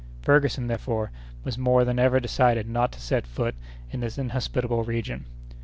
Ferguson, therefore, was more than ever decided not to set foot in this inhospitable region.